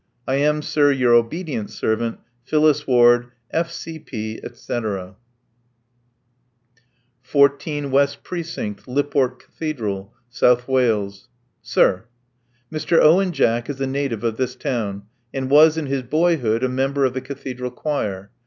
I am, sir, your obedient servant, Phillis Ward, F.C.P., etc. 14 West Precinct, Lipport Cathedral, South Wales. Sir, — Mr. Owen Jack is a native of this town, and was, in his boyhood, a member of the Cathedral Choir.